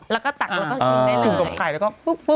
แล้วก็ตักเราก็กินได้เลยครับเออจุ่มกำไก่แล้วก็ฟึบฟึบ